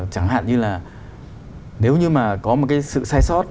chẳng hạn như là nếu như mà có một cái sự sai sót